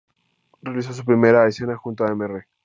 Realizó su primera escena junto a Mr.